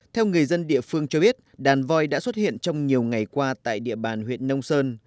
theo người dân địa phương cho biết đàn voi đã xuất hiện trong nhiều ngày qua tại địa bàn huyện nông sơn